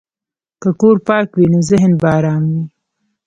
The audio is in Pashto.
که کور پاک وي، نو ذهن به ارام وي.